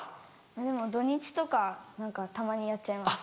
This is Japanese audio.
でも土・日とかたまにやっちゃいます。